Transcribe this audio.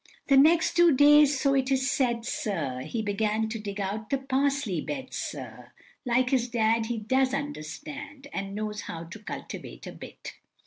The next two days, so it is said, sir, He began to dig out the parsley bed, sir, Like his dad he does understand, And knows how to cultivate a bit.